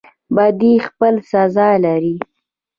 بدی خپل سزا لري